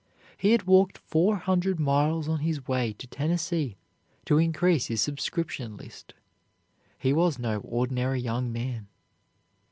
He had walked four hundred miles on his way to Tennessee to increase his subscription list. He was no ordinary young man.